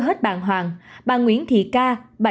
hết bàn hoàng bà nguyễn thị ca